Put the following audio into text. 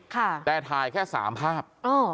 ค่ะแต่ถ่ายแค่๓ภาพ